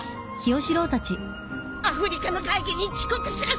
アフリカの会議に遅刻するっす！